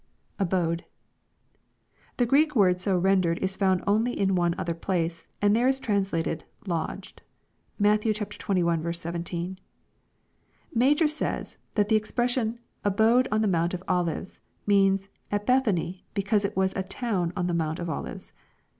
[Abode.] The Greek word so rendered is only found in one other place, and there is translated "lodged." Matt xxi. 17. Ma jor says, that the expression, " abode in the Mount of OUves," means " at Bethany, because it was a town on the Mount of Ol ives."